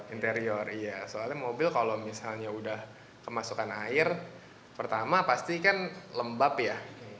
interior iya soalnya mobil kalau misalnya udah kemasukan air pertama pasti kan lembab ya